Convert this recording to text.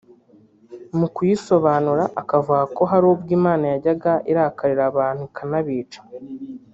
mu kuyisobanura akavuga ko hari ubwo Imana yajyaga irakarira abantu ikanabica